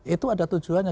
itu ada tujuannya